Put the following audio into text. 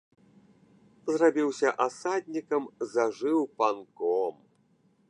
Зрабіўся асаднікам, зажыў панком.